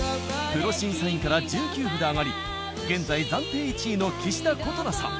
プロ審査員から１９札上がり現在暫定１位の岸田琴那さん。